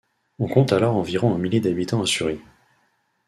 On compte alors environ un millier d'habitants à Sury.